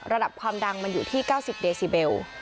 ระดับความดังมันอยู่ที่๙๐เดซิเบล